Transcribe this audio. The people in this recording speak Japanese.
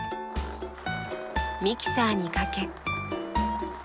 ミキサーにかけ。